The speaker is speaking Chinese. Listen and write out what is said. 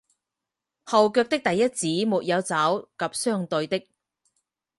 后脚的第一趾没有爪及相对的。